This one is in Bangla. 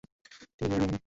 তিনি ফিরেননি।